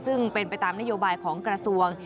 ซึ่งเป็นไปตามนโยบายของกระทรวง